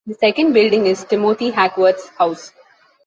The second building is Timothy Hackworth's house.